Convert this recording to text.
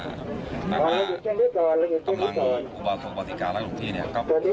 แต่ตามมากำลังอุบาสลักษณ์สิทธิ์ละลักตรงนี้เนี่ย